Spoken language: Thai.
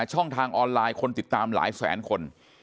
ช่องทางออนไลน์คนติดตามหลายแสนคน